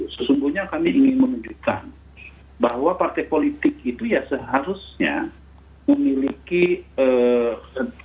sesungguhnya kami ingin menunjukkan bahwa partai politik itu ya seharusnya memiliki garis perjuangan yang jelas ya